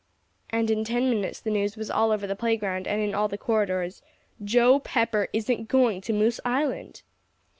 And in ten minutes the news was all over the playground and in all the corridors, "Joe Pepper isn't going to Moose Island."